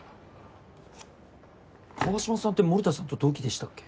河島さんって森田さんと同期でしたっけ。